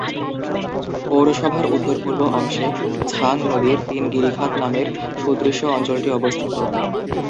পৌরসভার উত্তর-পূর্ব অংশে ছাং নদীর তিন গিরিখাত নামের সুদৃশ্য অঞ্চলটি অবস্থিত।